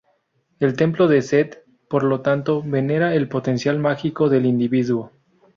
El Templo de Set por lo tanto, venera el potencial mágico del individuo.